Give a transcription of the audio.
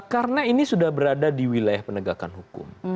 karena ini sudah berada di wilayah penegakan hukum